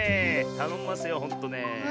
たのんますよほんとねえ。